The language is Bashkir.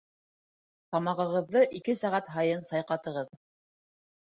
Тамағығыҙҙы ике сәғәт һайын сайҡатығыҙ